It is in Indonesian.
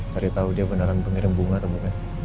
cari tahu dia beneran pengirim bunga atau bukan